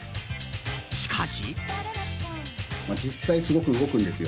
しかし。